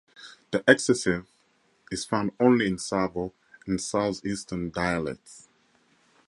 The exessive is found only in Savo and southeastern dialects.